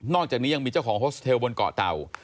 อกจากนี้ยังมีเจ้าของโฮสเทลบนเกาะเต่า